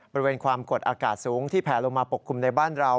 บริเวณความกดอากาศสูงที่แผลลงมาปกคลุมในบ้านเรา